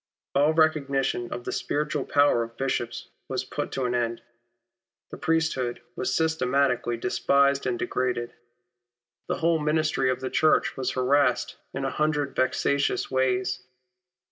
All recognition of the spiritual power of Bishops was put an end to. The priesthood was systematically despised and degraded. The whole ministry of the Church was harassed in a hundred vexatious ways.